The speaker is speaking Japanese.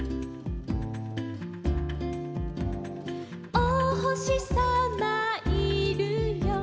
「おほしさまいるよ」